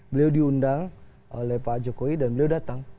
beliau diundang oleh pak jokowi dan beliau datang